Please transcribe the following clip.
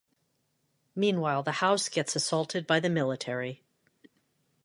Meanwhile, the House gets assaulted by the military.